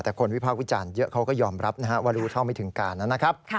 แต่คนวิพากษ์วิจารณ์เยอะเขาก็ยอมรับนะฮะว่ารู้เท่าไม่ถึงการนะครับ